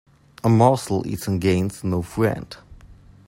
A morsel eaten gains no friend